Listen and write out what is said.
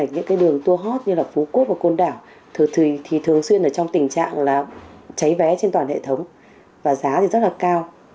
những đường tour hot như phú quốc và côn đảo thường xuyên trong tình trạng cháy vé trên toàn hệ thống và giá rất là cao